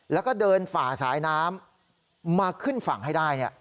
แล้วก็เดินฝ่าสายน้ำมาขึ้นฝั่งให้ได้